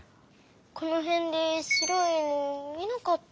このへんでしろいいぬみなかった？